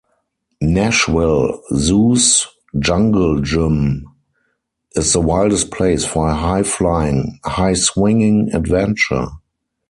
Nashville Zoo's Jungle Gym is the wildest place for a high-flying, high-swinging adventure!